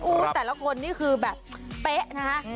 แต่ละคนนี่คือแบบเป๊ะนะคะ